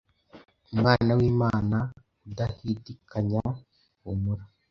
Umwana wImana udahidikanya, humura,